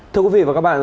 thưa quý vị và các bạn